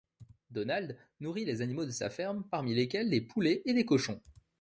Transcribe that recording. Donald nourrit les animaux de sa ferme, parmi lesquels des poulets et des cochons.